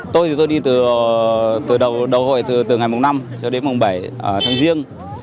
tôi thì tôi đi từ đầu đầu hội từ ngày mùng năm cho đến mùng bảy tháng riêng